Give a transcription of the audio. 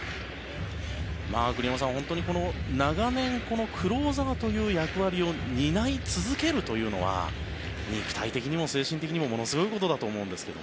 栗山さん、本当に長年、クローザーという役割を担い続けるというのは肉体的にも精神的にもものすごいことだと思うんですが。